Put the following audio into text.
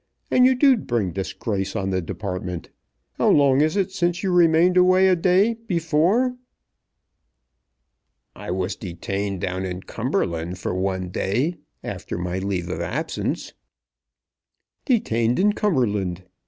And you do bring disgrace on the department. How long is it since you remained away a day before?" "I was detained down in Cumberland for one day, after my leave of absence." "Detained in Cumberland!